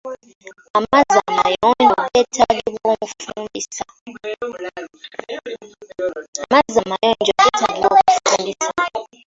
Amazzi amayonjo geetaagibwa okufumbisa.